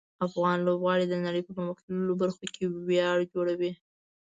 افغان لوبغاړي د نړۍ په مختلفو برخو کې ویاړ جوړوي.